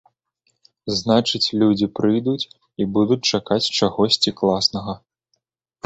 Значыць, людзі прыйдуць і будуць чакаць чагосьці класнага.